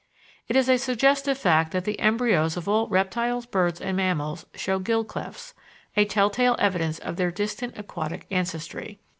It is a suggestive fact that the embryos of all reptiles, birds, and mammals show gill clefts a tell tale evidence of their distant aquatic ancestry.